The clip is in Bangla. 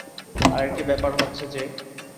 আরেকটি ব্যাপার হচ্ছে যে,